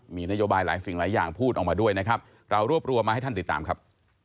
มีนโยบายหลายสิ่งหลายอย่างพูดออกมาด้วยนะครับเรารวบรวมมาให้ท่านติดตามครับ